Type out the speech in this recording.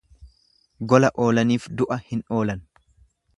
Gola oolaniif du'a hin oolan.